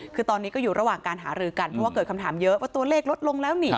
คือตอนนี้ก็อยู่ระหว่างการหารือกันเพราะว่าเกิดคำถามเยอะว่าตัวเลขลดลงแล้วนี่